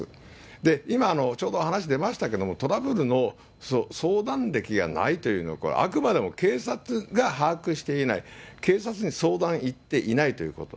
で、今、ちょうど話出ましたけれども、トラブルの相談歴がないというのは、あくまでも警察が把握していない、警察に相談行っていないということ。